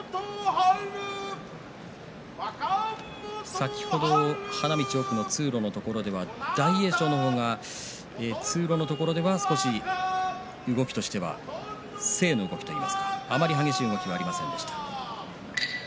先ほど花道奥の通路のところでは大栄翔の方が通路のところでは少し動きとしては静の動きというかあまり激しい動きがありませんでした。